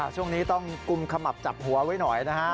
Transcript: ช่วงนี้ต้องกุมขมับจับหัวไว้หน่อยนะฮะ